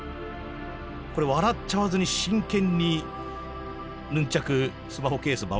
これ笑っちゃわずに真剣にヌンチャクスマホケース回してる社長。